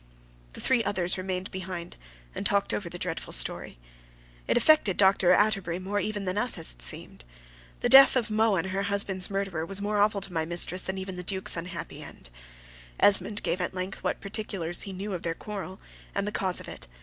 The three others remained behind, and talked over the dreadful story. It affected Dr. Atterbury more even than us, as it seemed. The death of Mohun, her husband's murderer, was more awful to my mistress than even the Duke's unhappy end. Esmond gave at length what particulars he knew of their quarrel, and the cause of it.